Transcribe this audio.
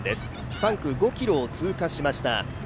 ３区、５ｋｍを通過しました。